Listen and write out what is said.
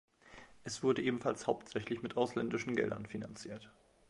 Es wurde ebenfalls hauptsächlich mit ausländischen Geldern finanziert.